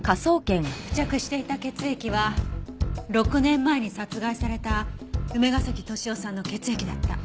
付着していた血液は６年前に殺害された梅ヶ崎俊雄さんの血液だった。